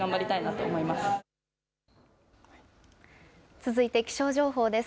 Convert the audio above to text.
続いて気象情報です。